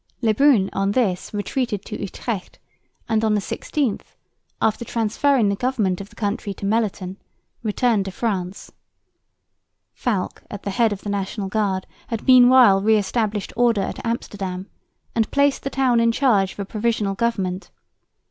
Le Brun himself on this retreated to Utrecht and, on the 16th, after transferring the government of the country to Melliton, returned to France. Falck at the head of the National Guard had meanwhile re established order at Amsterdam, and placed the town in charge of a provisional government.